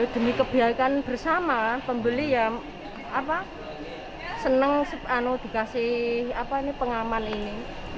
demi kebihakan bersama pembeli senang dikasih pengaman ini